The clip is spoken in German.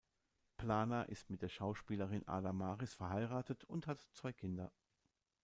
Plana ist mit der Schauspielerin Ada Maris verheiratet und hat zwei Kinder.